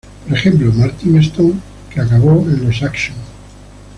Por ejemplo Martin Stone, que acabó en los Action.